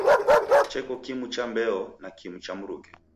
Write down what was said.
Cheko kimu cha mbeo na kimu cha mruke.